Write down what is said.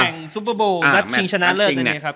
แมทแข่งซุปเปอร์บูลนัดชิงชนะเลิศนั้นเนี่ยครับ